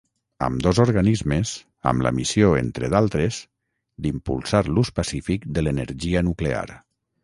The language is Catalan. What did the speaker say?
Ambdós organismes amb la missió, entre d'altres, d'impulsar l'ús pacífic de l'energia nuclear.